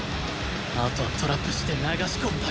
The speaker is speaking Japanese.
あとはトラップして流し込むだけ